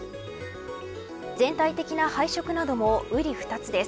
全体的な配色などもうり二つです。